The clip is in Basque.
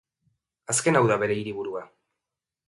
Azken hau da bere hiriburua.